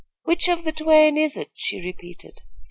"Which of the twain is it?" she repeated.